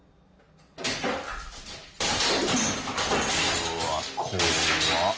うわ怖っ！